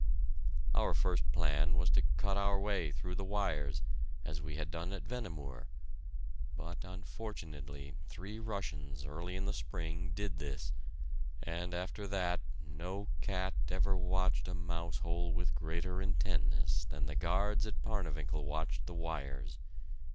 Our first plan was to cut our way through the wires, as we had done at Vehnemoor, but, unfortunately, three Russians, early in the spring, did this and after that no cat ever watched a mouse hole with greater intentness than the guards at Parnewinkel watched the wires.